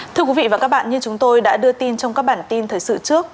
thưa quý vị và các bạn như chúng tôi đã đưa tin trong các bản tin thời sự trước